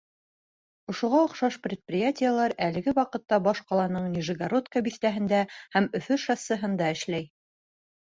Ошоға оҡшаш предприятиелар әлеге ваҡытта баш ҡаланың Нижегородка биҫтәһендә һәм Өфө шоссеһында эшләй.